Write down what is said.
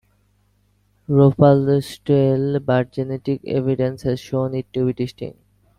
"Rhopalostylae", but genetic evidence has shown it to be distinct.